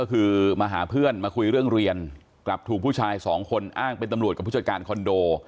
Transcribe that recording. ก็คือมาหาเพื่อนมาคุยเรื่องเรียนกลับถูกผู้ชายสองคนอ้างเป็นตำรวจกับผู้จัดการคอนโด